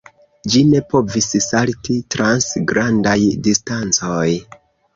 Ĝi ne povis salti trans grandaj distancoj.